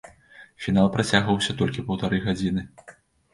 Фінал працягваўся толькі паўтары гадзіны.